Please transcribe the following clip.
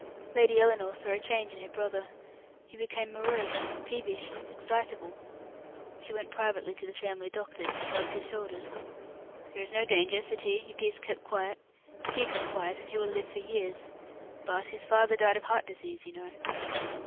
Lady Ellinor saw a change in her brother. He became morose, peevish, excitable. She went privately to the family doctor, who shrugged his shoulders. "There is no danger," said he, "if he is kept quiet; keep him quiet, and he will live for years; but his father died of heart disease, you know."